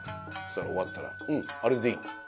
それ終わったら「うんあれでいい」って。